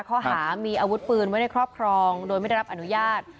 ข้อหามีอาวุธปืนไว้ในครอบครองโดยไม่ได้รับอนุญาต